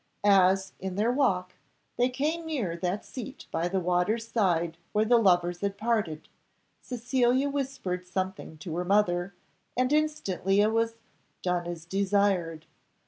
As, in their walk, they came near that seat by the water's side where the lovers had parted, Cecilia whispered something to her mother, and instantly it was "done as desired."